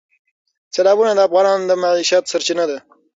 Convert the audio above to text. سیلابونه د افغانانو د معیشت سرچینه ده.